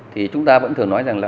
thì chúng ta vẫn thường nói rằng